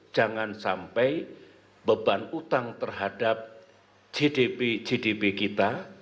jangan sampai beban utang terhadap gdp gdp kita